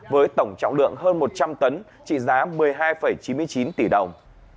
với tổng trọng lượng hơn một trăm linh tấn trị giá một mươi hai chín mươi chín tỷ đồng